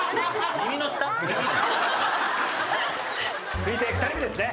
続いて２人目ですね。